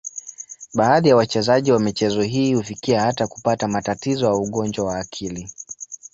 Baadhi ya wachezaji wa michezo hii hufikia hata kupata matatizo au ugonjwa wa akili.